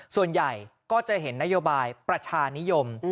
ส่วนใหญ่ก็จะเห็นนโยบายประชานิยม